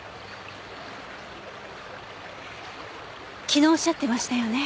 昨日おっしゃってましたよね。